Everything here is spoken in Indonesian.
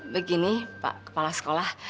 begini pak kepala sekolah